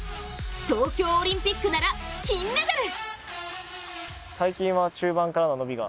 東京オリンピックなら金メダル。